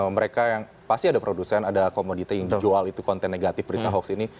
mereka yang pasti ada produsen ada komoditi yang dijual itu konten negatif berita hoax ini